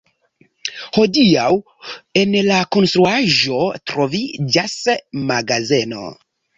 Hodiaŭ en la konstruaĵo troviĝas magazeno.